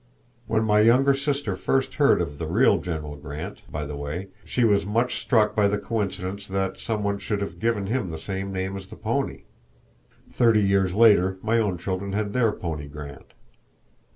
When my younger sister first heard of the real General Grant, by the way, she was much struck by the coincidence that some one should have given him the same name as the pony. (Thirty years later my own children had their pony Grant.)